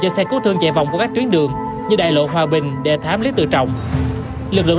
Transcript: cho xe cứu thương chạy vòng qua các tuyến đường như đại lộ hòa bình đề thám lý tự trọng lực lượng